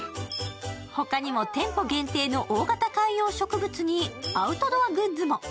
他にも店舗限定の大型観葉植物にアウトドアグッズも。